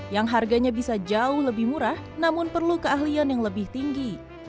yang harganya bisa jauh lebih murah namun perlu keahlian yang lebih tinggi